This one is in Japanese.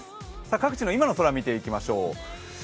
各地の今の空を見ていきましょう。